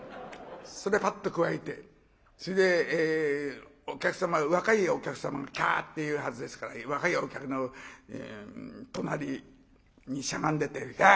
それパッとくわえてそれで若いお客様がキャって言うはずですから若いお客の隣にしゃがんでてうわっと出ていったんです。